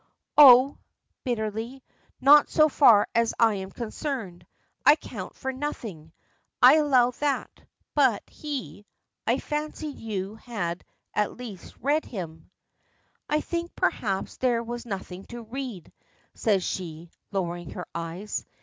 "Oh!" bitterly, "not so far as I am concerned. I count for nothing. I allow that. But he I fancied you had at least read him." "I think, perhaps, there was nothing to read," says she, lowering her eyes.